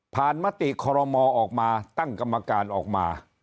มติคอรมอออกมาตั้งกรรมการออกมา